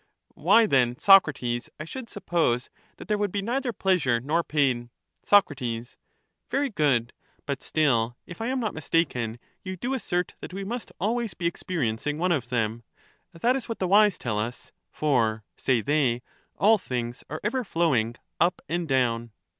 Pro, Why then, Socrates, I should suppose that there would be neither pleasure nor pain. 43 Soc, Very good ; but still, if I am not mistaken, you do Such assert that we must always be experiencing one of them ; that ^^m^ *" is what the wise tell us; for, say they, all things are ever going on, flowing up and down.